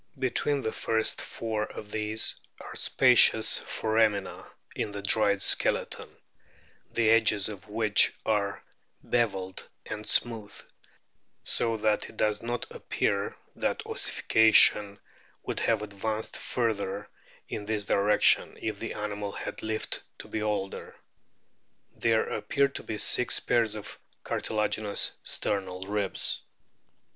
Between the first four of these are spacious foramina in the dried skeleton, the edges of which are bevelled and smooth, "so that it does not appear that ossification would have advanced further in this BEAKED IVHALES 233 direction if the animal had lived to be older." There appear to be six pairs of cartilaginous sternal ribs.